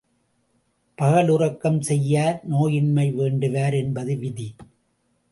பகலுறக்கம் செய்யார் நோயின்மை வேண்டுவார் என்பது விதி.